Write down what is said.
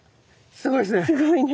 すごいですね。